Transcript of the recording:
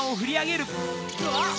うわっ！